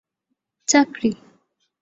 চাকরি